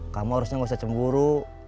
kamu harusnya gak usah cemburu